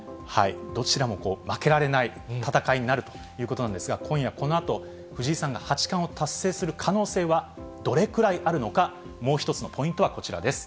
どちらも負けられない戦いになるということなんですが、今夜このあと、藤井さんが八冠を達成する可能性はどれくらいあるのか、もう１つのポイントはこちらです。